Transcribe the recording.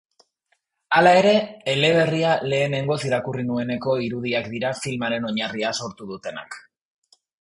Hala ere, eleberria lehenengoz irakurri nueneko irudiak dira filmaren oinarria sortu dutenak.